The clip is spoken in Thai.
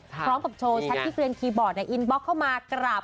พร้อมกับโชว์แชทที่เคลียร์คีย์บอร์ดในอินบ็อคเข้ามากราบ